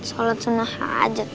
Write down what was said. sholat sunnah hajat